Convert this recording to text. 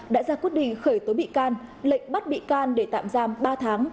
đã ra quyết định khởi tố bị can lệnh bắt bị can để tạm giam ba tháng